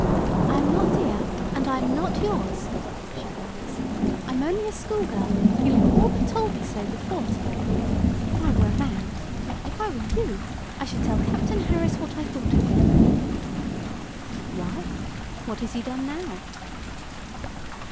"I am not dear, and I'm not yours," she cries. "I'm only a school girl you have all but told me so before to day! If I were a man if I were you I should tell Captain Harris what I thought of him!" "Why? What has he done now?"